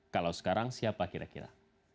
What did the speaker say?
kalau sekarang siapa kira kira